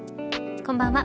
こんばんは。